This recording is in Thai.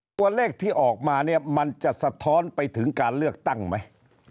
ตัวเลขที่ออกมาเนี่ยมันจะสะท้อนไปถึงการเลือกตั้งไหม